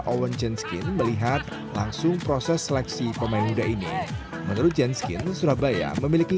owen jenskin melihat langsung proses seleksi pemain muda ini menurut jenskin surabaya memiliki